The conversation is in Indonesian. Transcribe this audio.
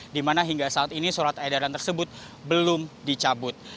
di mana hingga saat ini surat edaran tersebut belum dicabut